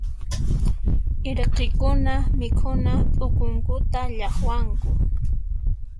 Irqikuna mikhuna p'ukunkuta llaqwanku.